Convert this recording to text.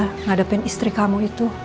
menghadapin istri kamu itu